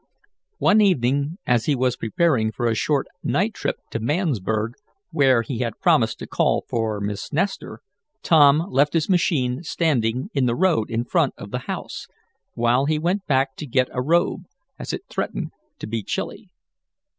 One evening, as he was preparing for a short night trip to Mansburg, where he had promised to call for Miss Nestor, Tom left his machine standing in the road in front of the house, while he went back to get a robe, as it threatened to be chilly.